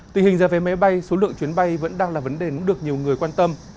tình hình ra vé máy bay số lượng chuyến bay vẫn đang là vấn đề cũng được nhiều người quan tâm